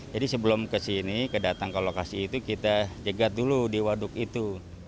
jadi sebelum ke sini kedatang ke lokasi itu kita jaga dulu di waduk itu